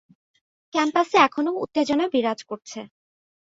ক্যাম্পাসে এখনও উত্তেজনা বিরাজ করছে।